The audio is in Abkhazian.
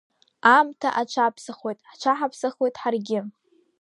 Аамҭа аҽаԥсахуеит, ҳҽаҳаԥсахуеит ҳаргьы.